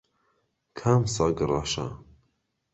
کام سەگ ڕەشە؟